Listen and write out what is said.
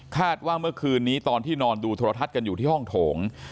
ว่าเมื่อคืนนี้ตอนที่นอนดูโทรทัศน์กันอยู่ที่ห้องโถง